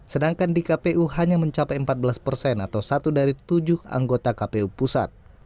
sedangkan di kpu hanya mencapai empat belas persen atau satu dari tujuh anggota kpu pusat